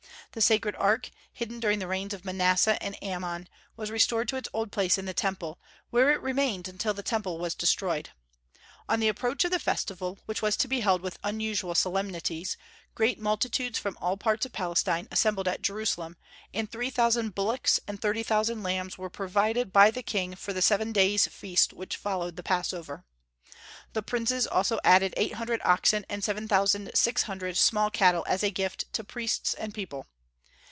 The sacred ark, hidden during the reigns of Manasseh and Amon, was restored to its old place in the Temple, where it remained until the Temple was destroyed. On the approach of the festival, which was to be held with unusual solemnities, great multitudes from all parts of Palestine assembled at Jerusalem, and three thousand bullocks and thirty thousand lambs were provided by the king for the seven days' feast which followed the Passover. The princes also added eight hundred oxen and seven thousand six hundred small cattle as a gift to priests and people.